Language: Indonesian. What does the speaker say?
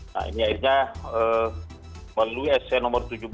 nah ini akhirnya melalui se nomor tujuh belas